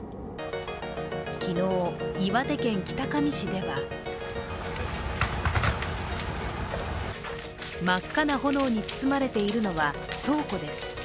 昨日、岩手県北上市では真っ赤な炎に包まれているのは倉庫です。